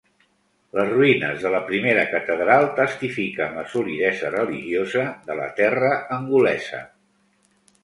Les ruïnes de la primera catedral testifiquen la solidesa religiosa de la terra angolesa.